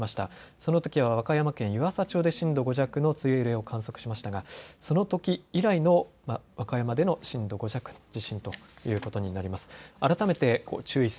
そのときは和歌山県湯浅町で震度５弱の強い揺れを観測しましたがそのとき以来の和歌山の震度５弱の地震ということになります。